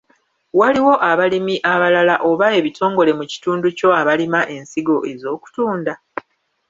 Waliwo abalimi abalala oba ebitongole mu kitundu kyo abalima ensigo ez’okutunda?